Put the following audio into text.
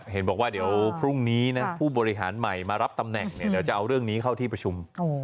เห็นบอกว่าเดี๋ยวพรุ่งนี้นะผู้บริหารใหม่มารับตำแหน่งเดี๋ยวจะเอาเรื่องนี้เข้าที่ประชุม